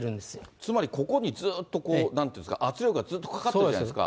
つまり、ここにずっとなんていうんですか、圧力がずっとかかってるわけじゃないですか。